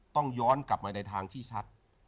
ต้องย้อนกลับมาในทางที่ชัด